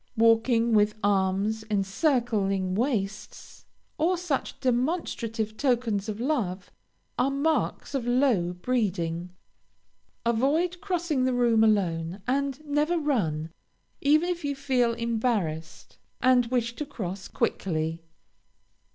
Walking with arms encircling waists, or such demonstrative tokens of love, are marks of low breeding. Avoid crossing the room alone, and never run, even if you feel embarrassed, and wish to cross quickly.